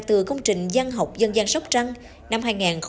từ công trình giang học dân gian sóc trăng năm hai nghìn hai